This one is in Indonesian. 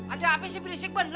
ada hp sipilisik bener